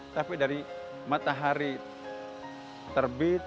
tapi dari matahari terbit